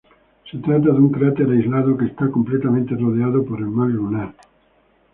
Se trata de un cráter aislado que está completamente rodeado por el mar lunar.